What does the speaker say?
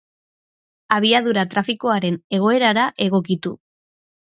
Abiadura trafikoaren egoerara egokitu.